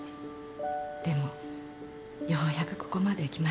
でもようやくここまできましたから。